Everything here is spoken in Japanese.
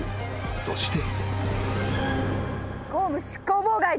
［そして］